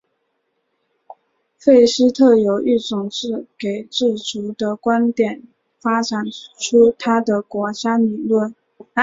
费希特由一种自给自足的观点发展出他的国家理论。